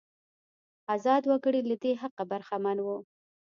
ازاد وګړي له دې حقه برخمن وو.